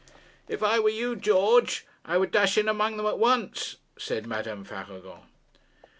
'If I were you, George, I would dash in among them at once,' said Madame Faragon.